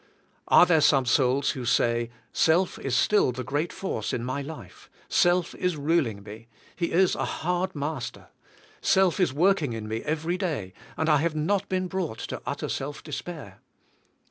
Are there some souls who say, Self is still the great force in my life; self is ruling me; he is a hard master; self is working in me every day, and I have not been brought to utter self despair?